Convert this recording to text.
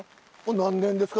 何年ですか？